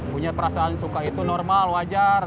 punya perasaan suka itu normal wajar